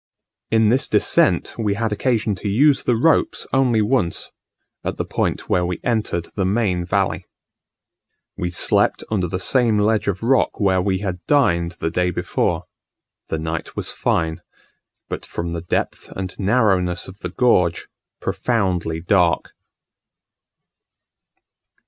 In this descent we had occasion to use the ropes only once, at the point where we entered the main valley. We slept under the same ledge of rock where we had dined the day before: the night was fine, but from the depth and narrowness of the gorge, profoundly dark.